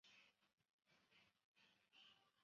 据报起初清理现场的消防人员也未佩戴防护装备。